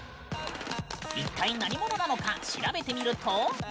一体、何者なのか調べてみると。